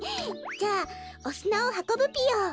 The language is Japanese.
じゃあおすなをはこぶぴよ。